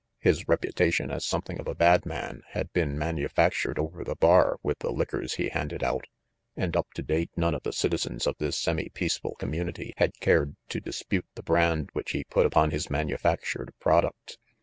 His repu tation as something of a bad man had been manu factured over the bar with the liquors he handed out, and up to date none of the citizens of this semi peaceful community had cared to dispute the brand which he put upon his own manufactured product.